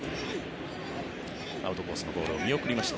アウトコースのボールを見送りました。